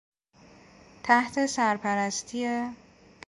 تحت سرپرستی...